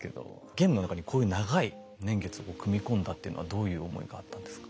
ゲームの中にこういう長い年月を組み込んだっていうのはどういう思いがあったんですか？